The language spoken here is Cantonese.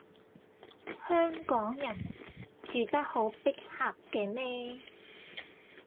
香港人住得好逼狹嘅咩